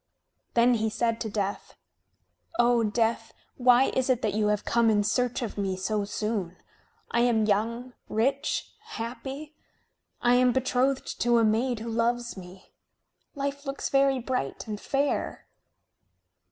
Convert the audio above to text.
Then he said to Death: "O Death, why is it that you have come in search of me so soon? I am young, rich, happy. I am betrothed to a maid who loves me. Life looks very bright and fair."